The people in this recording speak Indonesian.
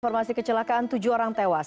informasi kecelakaan tujuh orang tewas